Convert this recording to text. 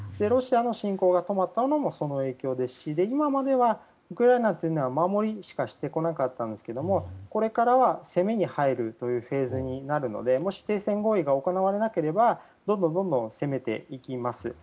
ロシアの侵攻が止まったのもその影響ですし今までは、ウクライナって守りしかしてこなかったんですがこれからは攻めに入るというフェーズになるのでもし、停戦合意が行われなければどんどん攻めていきます。